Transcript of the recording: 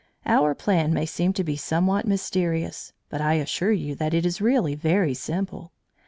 Our plan may seem to be somewhat mysterious, but I assure you that it is really very simple.